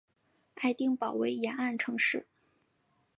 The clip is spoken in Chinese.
爱丁堡为沿岸城市。